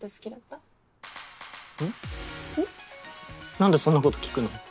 何でそんなこと聞くの？